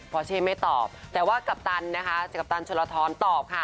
พอเช่ไม่ตอบแต่ว่ากัปตันนะคะกัปตันชนลทรตอบค่ะ